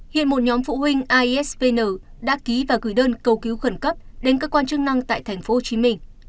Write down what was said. hiện một nhóm phụ huynh aisvn đã ký và gửi đơn cầu cứu khẩn cấp đến cơ quan chức năng tại tp hcm